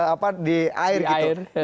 apa di air gitu